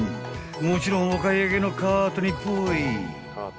［もちろんお買い上げのカートにポイ］